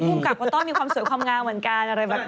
ภูมิกับก็ต้องมีความสวยความงามเหมือนกันอะไรแบบนี้